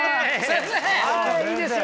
いいですね！